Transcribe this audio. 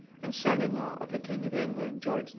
and son in law of the King of England, George II.